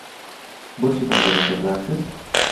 بۆچی پەنجەرەکەت داخست؟